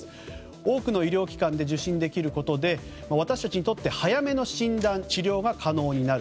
多くの医療機関で受診できることで私たちにとって早めの診断・治療が可能になる。